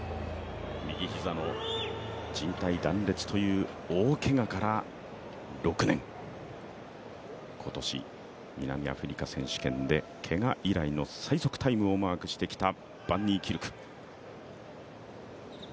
右膝のじん帯断裂という大けがから６年、今年、南アフリカ選手権でけが以来の最速タイムを記録してきたバンニーキルク。